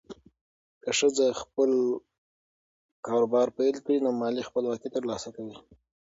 که ښځه خپل کاروبار پیل کړي، نو مالي خپلواکي ترلاسه کوي.